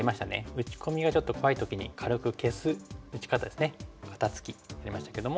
打ち込みがちょっと怖い時に軽く消す打ち方ですね肩ツキやりましたけども。